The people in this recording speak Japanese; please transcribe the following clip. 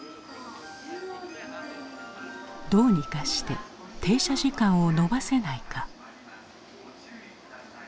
どうにかして停車時間を延ばせないか。